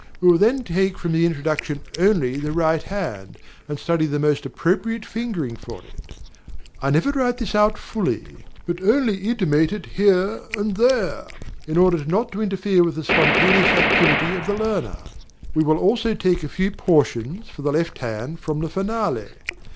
We will then take from the introduction only the right hand, and study the most appropriate fingering for it. I never write this out fully; but only intimate it here and there, in order not to interfere with the spontaneous activity of the learner. We will also take a few portions for the left hand from the finale.